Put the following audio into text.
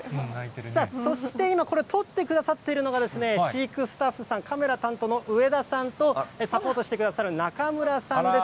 さあ、そして今、これ、撮ってくださっているのが、飼育スタッフ、カメラ担当の上田さんと、サポートしてくださる中村さんです。